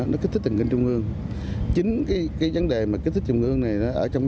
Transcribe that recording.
nó kích thích tình hình trung ương chính cái vấn đề mà kích thích trung ương này ở trong